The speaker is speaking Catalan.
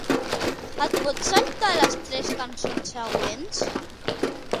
Et pots saltar les tres cançons següents?